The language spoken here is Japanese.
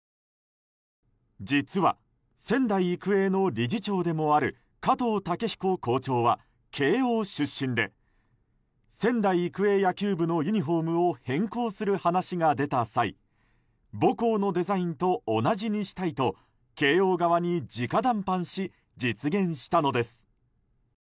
実は、仙台育英の理事長でもある加藤雄彦校長は慶応出身で、仙台育英野球部のユニホームを変更する話が出た際母校のデザインと同じにしたいと慶応側に直談判し実現したのです。